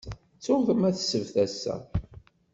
Ttuɣ ma d ssebt assa.